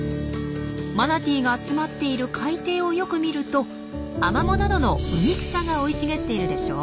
マナティーが集まっている海底をよく見るとアマモなどの海草が生い茂っているでしょう？